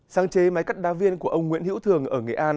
sáng chế máy cắt đá viên của ông nguyễn hữu thường ở nghệ an